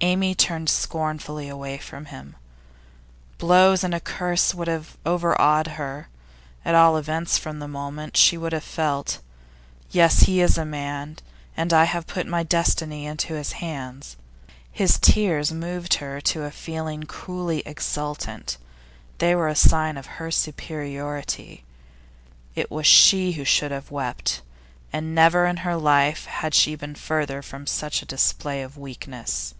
Amy turned scornfully away from him. Blows and a curse would have overawed her, at all events for the moment; she would have felt: 'Yes, he is a man, and I have put my destiny into his hands.' His tears moved her to a feeling cruelly exultant; they were the sign of her superiority. It was she who should have wept, and never in her life had she been further from such display of weakness.